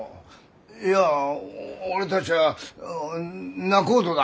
いや俺たちは仲人だ。